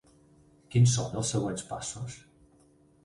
Quins són els següents passos?